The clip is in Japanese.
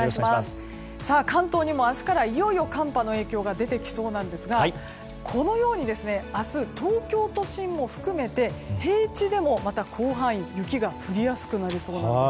関東にも明日からいよいよ寒波の影響が出てきそうなんですがこのように明日東京都心も含めて平地でも、また広範囲に雪が降りやすくなりそうなんです。